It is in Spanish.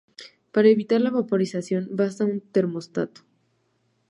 Para evitar la vaporización basta un termostato.